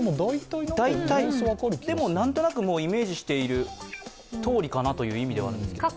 なんとなくイメージしているとおりかなという意味ではですけど。